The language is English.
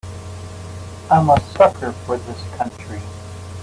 I'm a sucker for this country.